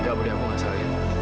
enggak budi aku enggak salah lihat